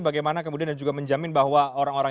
bagaimana kemudian dan juga menjamin bahwa orang orang